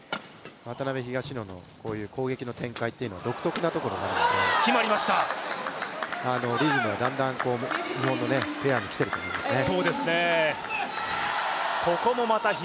渡辺・東野のこういう攻撃の展開というのは独特なところがあるので、リズムはだんだん日本のペアに来ていると思いますね。